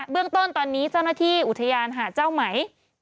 เรื่องต้นตอนนี้เจ้าหน้าที่อุทยานหาดเจ้าไหม